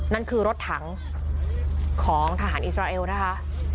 นั่นคือรถถังของทหารอิสราเอลนะคะ